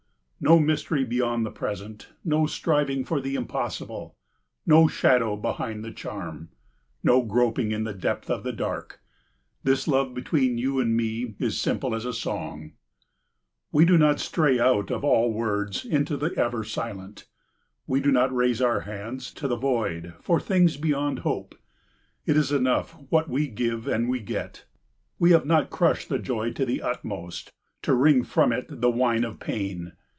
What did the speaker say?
No mystery beyond the present; no striving for the impossible; no shadow behind the charm; no groping in the depth of the dark. This love between you and me is simple as a song. We do not stray out of all words into the ever silent; we do not raise our hands to the void for things beyond hope. It is enough what we give and we get. We have not crushed the joy to the utmost to wring from it the wine of pain.